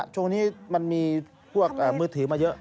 ช่วงนี้มันมีพวกมือถือมาเยอะ